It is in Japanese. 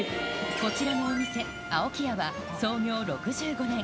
こちらのお店、青木屋は創業６５年。